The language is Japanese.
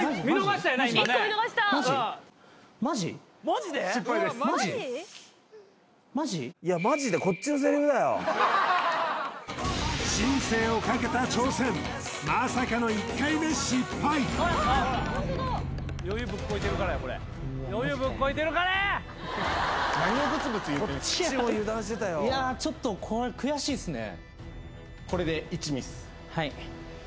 １個見逃した人生をかけた挑戦まさかの１回目失敗うわマジかいやちょっとこれ悔しいっすね